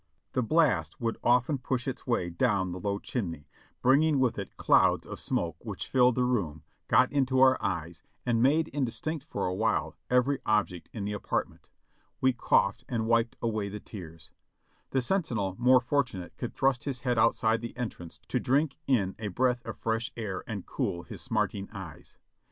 The blast would often push its way down the low chimney, bringing with it clouds of smoke which filled the room, got into our eyes, and made indistinct for a while every object in the apartment. We coughed and wiped away the tears. The sentinel, more fortunate, could thrust his head THE THIRD ESCAPE 511 outside the entrance to drink in a breath of fresh air and cool his smarting eyes.